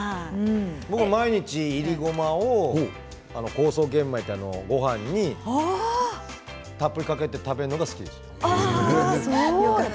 僕は毎日いりごまを酵素玄米というごはんにたっぷりかけて食べるのが好きです。